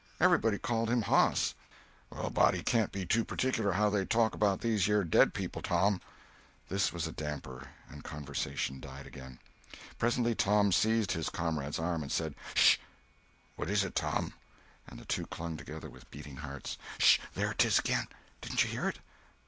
Everybody calls him Hoss." "A body can't be too partic'lar how they talk 'bout these yer dead people, Tom." This was a damper, and conversation died again. Presently Tom seized his comrade's arm and said: "Sh!" "What is it, Tom?" And the two clung together with beating hearts. "Sh! There 'tis again! Didn't you hear it?"